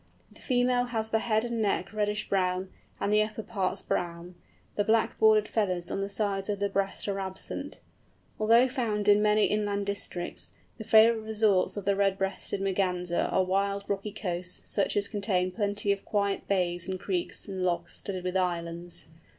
The female has the head and neck reddish brown, and the upper parts brown, the black bordered feathers on the sides of the breast are absent. Although found in many inland districts, the favourite resorts of the Red breasted Merganser are wild, rocky coasts, such as contain plenty of quiet bays and creeks, and lochs studded with islands.